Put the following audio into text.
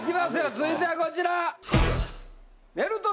続いてはこちら！